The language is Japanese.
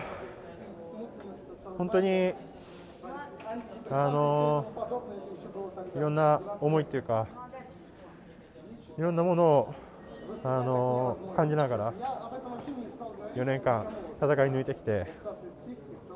本当にいろんな思いというかいろんなものを感じながら４年間、戦い抜いてきて。